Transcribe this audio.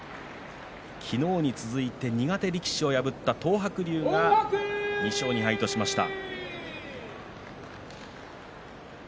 昨日に続いて苦手力士を破った東白龍が２勝２敗としました。